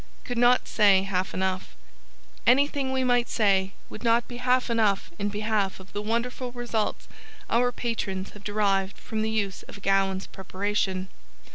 Could Not Say Half Enough. Anything we might say would not be half enough in behalf of the wonderful results our patrons have derived from the use of Gowans Preparation.